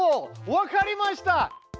わかりました！